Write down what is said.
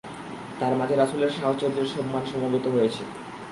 তাঁর মাঝে রাসূলের সাহচর্যের সম্মান সমবেত হয়েছে।